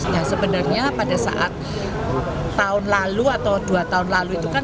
nah sebenarnya pada saat tahun lalu atau dua tahun lalu itu kan